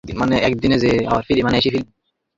আমাকে কেন টেনেছিলেন এর মধ্যে!